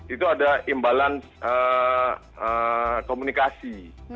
itu ada imbalance komunikasi